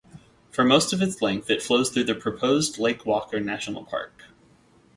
For most of its length it flows through the proposed Lake Walker National Park.